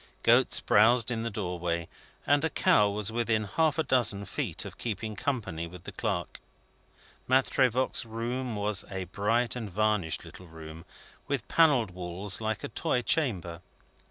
Goats browsed in the doorway, and a cow was within half a dozen feet of keeping company with the clerk. Maitre Voigt's room was a bright and varnished little room, with panelled walls, like a toy chamber.